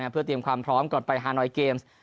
เพื่อเตรียมความพร้อมก่อนไปฮานอยเกมส์